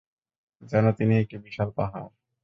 যেন তিনি একটি বিশাল পাহাড়।